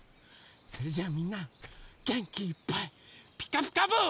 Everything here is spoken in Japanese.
それじゃあみんなげんきいっぱい「ピカピカブ！」。